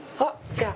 じゃあ。